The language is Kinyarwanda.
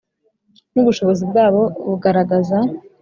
N ubushobozi bwabwo bugaragaza